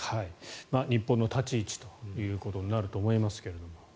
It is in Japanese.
日本の立ち位置ということになると思いますが。